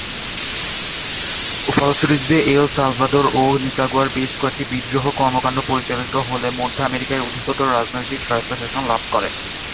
ফলশ্রুতিতে El Salvador ও নিকারাগুয়ায় বেশ কয়েকটি বিদ্রোহী কর্মকাণ্ড পরিচালিত হলে মধ্য আমেরিকায় অধিকতর রাজনৈতিক স্বায়ত্তশাসন লাভ করে।